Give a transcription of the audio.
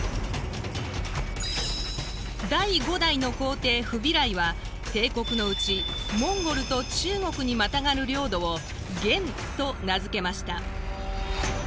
第五代の皇帝フビライは帝国のうちモンゴルと中国にまたがる領土を元と名付けました。